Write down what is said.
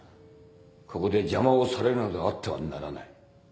ここで邪魔をされるなどあってはならない。